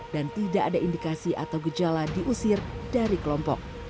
dan tidak ada indikasi atau gejala diusir dari kelompok